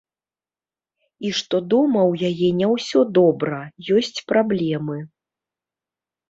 І што дома ў яе не ўсё добра, ёсць праблемы.